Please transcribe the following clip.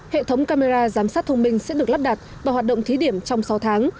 hệ thống camera giám sát thông minh sẽ được lắp đặt và hoạt động thí điểm trong sáu tháng